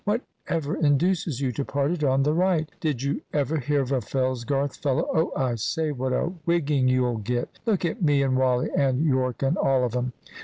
Whatever induces you to part it on the right? Did you ever hear of a Fellsgarth fellow Oh, I say, what a wigging you'll get! Look at me and Wally and Yorke and all of 'em.